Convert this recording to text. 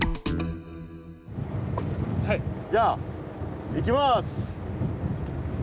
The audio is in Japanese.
じゃあいきます！